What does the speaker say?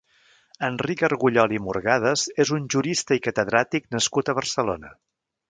Enric Argullol i Murgadas és un jurista i catedràtic nascut a Barcelona.